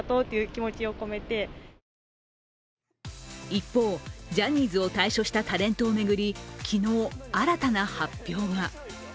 一方、ジャニーズを退所したタレントを巡り、昨日、新たな発表が。